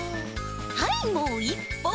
はいもう１ぽん。